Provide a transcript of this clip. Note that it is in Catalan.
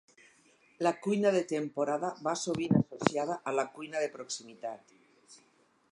La cuina de temporada va sovint associada a la cuina de proximitat.